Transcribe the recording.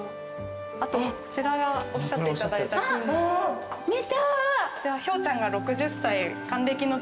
あとこちらがおっしゃっていただいた金の。